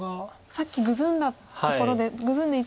さっきグズんだところでグズんで